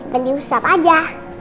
biar diusap aja